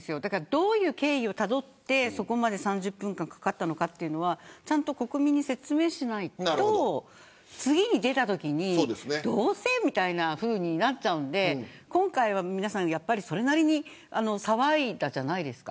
どういう経緯をたどって３０分かかったのかというのはちゃんと国民に説明しないと次に出たときにどうせみたいなふうになっちゃうので今回は皆さん、それなりに騒いだじゃないですか。